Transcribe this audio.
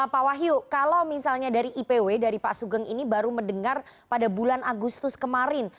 pak wahyu kalau misalnya dari ipw dari pak sugeng ini baru mendengar pada bulan agustus kemarin